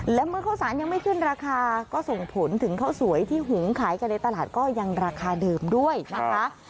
และเมื่อข้าวสารยังไม่ขึ้นราคาก็ส่งผลถึงข้าวสวยที่หุงขายกันในตลาดก็ยังราคาเดิมด้วยนะคะ